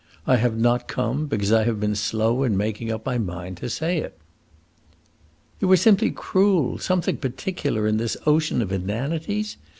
I have not come, because I have been slow in making up my mind to say it." "You are simply cruel. Something particular, in this ocean of inanities?